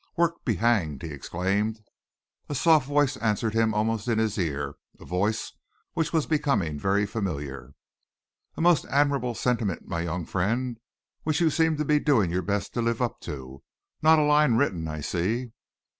"Work be hanged!" he exclaimed. A soft voice answered him almost in his ear, a voice which was becoming very familiar. "A most admirable sentiment, my young friend, which you seem to be doing your best to live up to. Not a line written, I see."